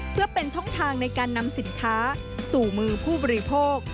เพื่อเป็นช่องทางในการนำสินค้าสู่มือผู้บริโภค